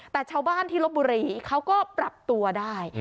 แต่ชาวบ้านที่ลบบุรีเขาก็ปรับตัวได้